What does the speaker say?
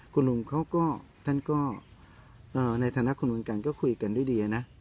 คุณลุงเขาก็ท่านก็ในฐานะคุณเหมือนกันก็คุยกันด้วยดีนะ